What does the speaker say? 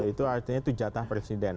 itu artinya jatah presiden